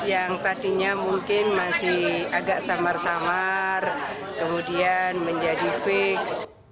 yang tadinya mungkin masih agak samar samar kemudian menjadi fix